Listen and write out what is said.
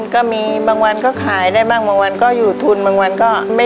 ก็ไม่ไม่ได้ทุนค่ะ